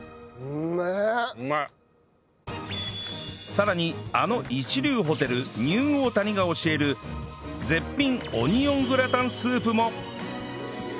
さらにあの一流ホテルニューオータニが教える絶品オニオングラタンスープも